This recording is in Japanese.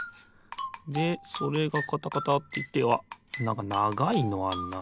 でそれがカタカタっていってあっなんかながいのあんな。